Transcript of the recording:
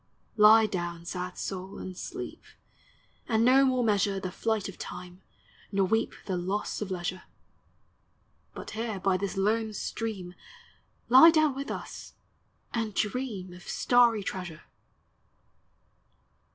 Lie down, sad soul, and sleep, And no more measure The flight of time, nor weep The loss of leisure; DEATH: IMMORTALITY: HEAVEN. 373 But here, by this lone stream, Lie down with us, and dream Of starry treasure